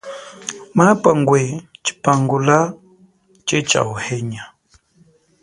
Maabwa ngwe chipangula che cha uhenya.